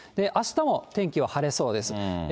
あしたも天気は晴れそうです。